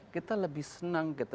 kita lebih senang gitu